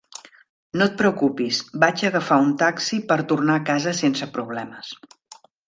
No et preocupis, vaig agafar un taxi per tornar a casa sense problemes.